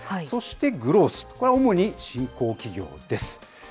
そしてグロース、これは主に新興企業です。